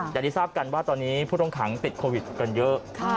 อย่างที่ทราบกันว่าตอนนี้ผู้ต้องขังติดโควิดกันเยอะ